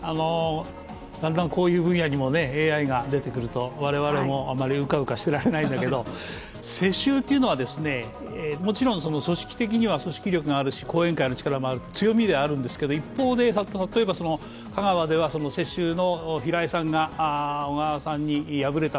だんだんこういう分野にもＡＩが出てくると、我々もあまりうかうかしてられないんだけど世襲というのはもちろん組織的には組織力があるし、後援会の力もあるし、強みではあるんだけどここで事件の続報が入ってきました。